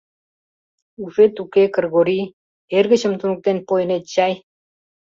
— Ушет уке, Кргорий, эргычым туныктен пойынет чай...